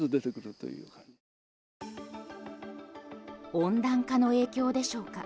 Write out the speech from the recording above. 温暖化の影響でしょうか？